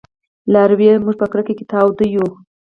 لارويه! موږ په کرکه کې تاوده يو